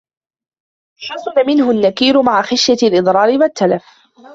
حَسُنَ مِنْهُ النَّكِيرُ مَعَ خَشْيَةِ الْإِضْرَارِ وَالتَّلَفِ